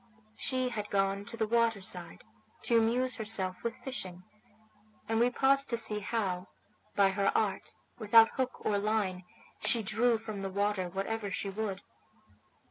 She had gone to the water side to amuse herself with fishing, and we paused to see how, by her art, without hook or line, she drew from the water whatever she would.